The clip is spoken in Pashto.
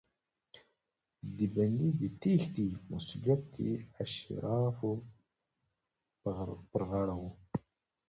د بندي د تېښتې مسوولیت د اشرافو پر غاړه و.